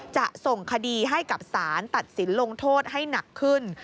จะส่งคดีให้กับสารตัดสินลงโทษให้หนักขึ้น